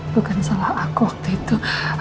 bukan salah aku waktu itu